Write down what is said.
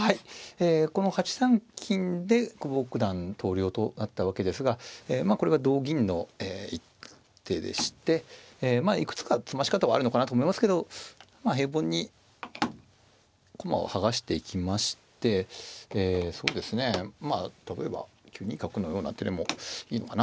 この８三金で久保九段投了となったわけですがまあこれは同銀の一手でしてまあいくつか詰まし方はあるのかなと思いますけど平凡に駒を剥がしていきましてえそうですねまあ例えば９二角のような手でもいいのかな。